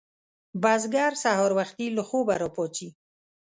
بزګر سهار وختي له خوبه راپاڅي